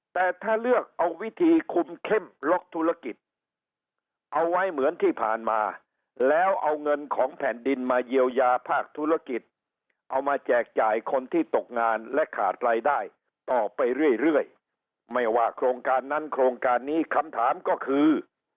แต่ถ้าเลือกเอาวิธีคุมเข้มล็อกธุรกิจเอาไว้เหมือนที่ผ่านมาแล้วเอาเงินของแผ่นดินมาเยียวยาภาคธุรกิจเอามาแจกจ่ายคนที่ตกงานและขาดรายได้ต่อไปเรื่อยไม่ว่าโครงการนั้นโครงการนี้คำถามก็คือ